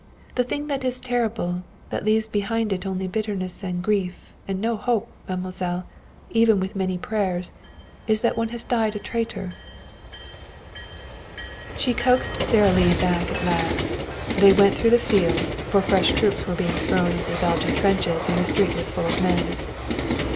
The thing that is terrible, that leaves behind it only bitterness and grief and no hope, mademoiselle, even with many prayers, is that one has died a traitor." She coaxed Sara Lee back at last. They went through the fields, for fresh troops were being thrown into the Belgian trenches and the street was full of men.